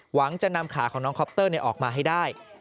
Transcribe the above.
หวังจะนำขาของน้องคอปเตอร์ออกมาให้ได้